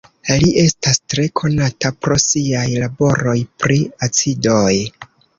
Li estas tre konata pro siaj laboroj pri acidoj.